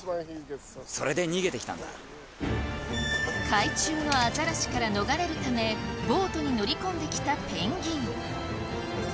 海中のアザラシから逃れるためボートに乗り込んできたペンギン。